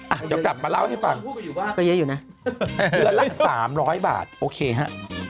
อ่ะเดี๋ยวกลับมาเล่าให้ฟังนะครับมันก็เยอะอยู่น่ะเรือนละ๓๐๐บาทโอเคฮะ